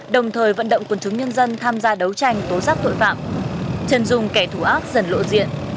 đồng thời vận động quân chúng nhân dân tham gia đấu tranh tố giác tội phạm chân dung kẻ thù ác dần lộ diện